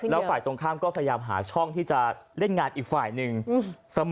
แล้วฝ่ายตรงข้ามก็พยายามหาช่องที่จะเล่นงานอีกฝ่ายหนึ่งเสมอ